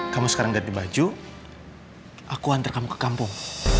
kamu sekarang ganti baju aku antar kamu ke kampung